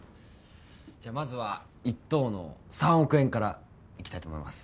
じゃあまずは１等の３億円からいきたいと思います。